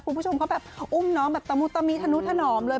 คุณผู้ชมเขาแบบอุ้มน้องแบบตะมูตตะมีทะนุทะหนอมเลย